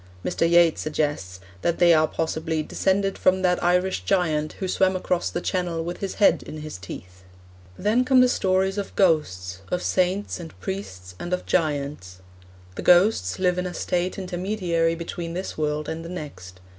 Mr. Yeats suggests that they are possibly 'descended from that Irish giant who swam across the Channel with his head in his teeth.' Then come the stories of ghosts, of saints and priests, and of giants. The ghosts live in a state intermediary between this world and the next.